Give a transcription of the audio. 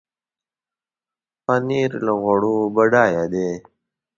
پنېر له غوړو بډایه دی.